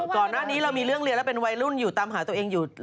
ก่อนหน้านี้เรามีเรื่องเรียนแล้วเป็นวัยรุ่นอยู่ตามหาตัวเองอยู่